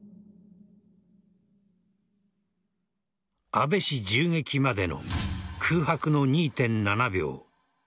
安倍氏銃撃までの空白の２．７秒。